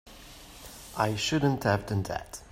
I shouldn't have done that.